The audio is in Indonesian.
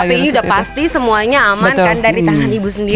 tapi ini udah pasti semuanya aman kan dari tangan ibu sendiri